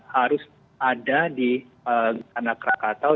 harus ada di anak krakatau